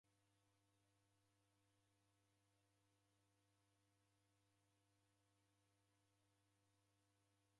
Mrighiti washoma kwa kukufunya kwa miaka milazi.